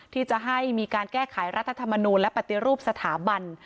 ที่จะให้มีการแก้ไขรัฐธรรมนูลและปฏิรูปสถาบัน